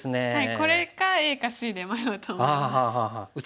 これかＡかＣで迷うと思います。